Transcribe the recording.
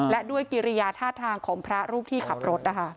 และด้วยกิริยาท่าทางของพระรูปที่ขับรถนะคะ